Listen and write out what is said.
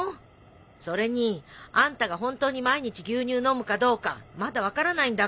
それにあんたがホントに毎日牛乳飲むかどうかまだ分からないんだから。